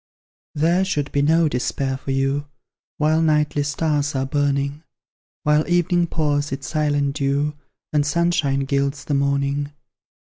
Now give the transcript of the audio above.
There should be no despair for you While nightly stars are burning; While evening pours its silent dew, And sunshine gilds the morning.